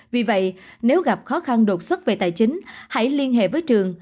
vì vậy nếu gặp khó khăn đột xuất về tài chính hãy liên hệ với trường